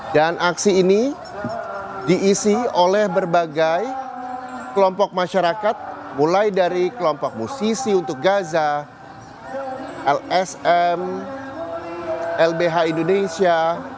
dan aksi ini diisi oleh berbagai kelompok masyarakat mulai dari kelompok musisi untuk gaza lsm lbh indonesia